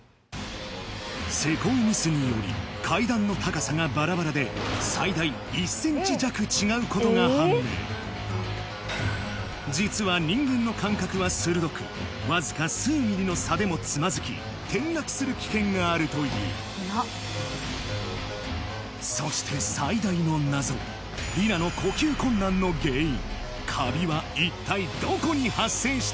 施工ミスにより階段の高さがバラバラで最大１ｃｍ弱違うことが判明実は人間の感覚は鋭くわずか数ミリの差でもつまずき転落する危険があるというそして最大の謎里奈の呼吸困難の原因